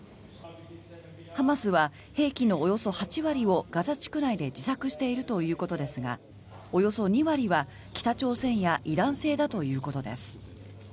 ハマスは兵器のおよそ８割をガザ地区内で自作しているということですがおよそ２割は北朝鮮やイラン製だということです。